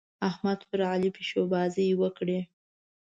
احمد پر علي پيشوبازۍ وکړې.